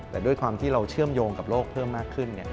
แต่ด้วยความที่เราเชื่อมโยงกับโลกเพิ่มมากขึ้น